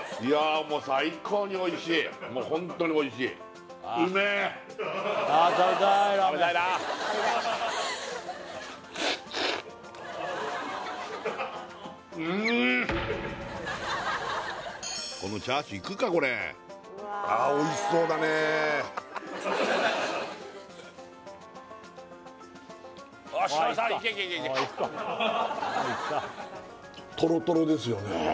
もう最高においしいもうホントにおいしいうめーっこのチャーシューいくかこれあーおいしそうだねとろとろですよね